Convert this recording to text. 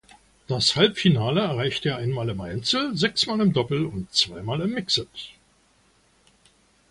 Das Halbfinale erreichte er einmal im Einzel, sechsmal im Doppel und zweimal im Mixed.